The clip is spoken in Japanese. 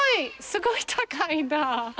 すごい高いなぁ。